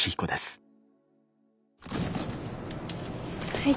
はい。